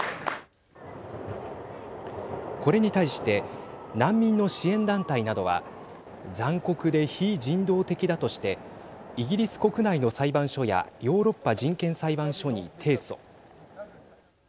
これに対して難民の支援団体などは残酷で非人道的だとしてイギリス国内の裁判所やヨーロッパ人権裁判所に提訴。